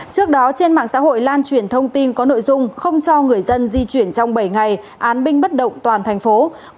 trước đó trên mạng xã hội lan truyền thông tin có nội dung không cho người dân di chuyển trong bảy ngày án binh bất động toàn thành phố